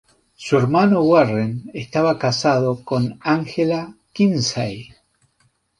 Su hermano Warren estaba casado con Angela Kinsey.